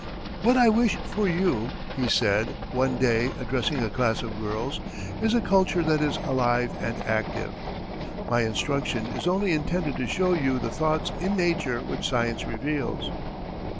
"What I wish for you," he said, one day, addressing a class of girls, "is a culture that is alive and active. My instruction is only intended to show you the thoughts in nature which science reveals.